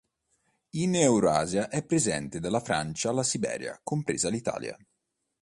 In Eurasia è presente dalla Francia alla Siberia, compresa l'Italia.